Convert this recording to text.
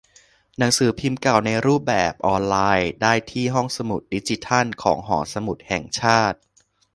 หนังสือพิมพ์เก่าในรูปแบบออนไลน์ ได้ที่ ห้องสมุดดิจิทัลของ หอสมุดแห่งชาติ